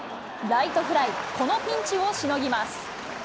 ライトフライ、このピンチをしのぎます。